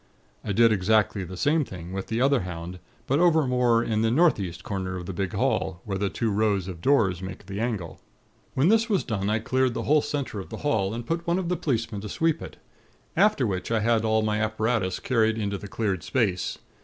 I did exactly the same thing with the other hound; but over more in the northeast corner of the big hall, where the two rows of doors make the angle. "When this was done, I cleared the whole center of the hall, and put one of the policemen to sweep it; after which I had all my apparatus carried into the cleared space.